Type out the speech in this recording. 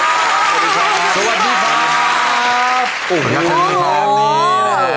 สวัสดีค่ะ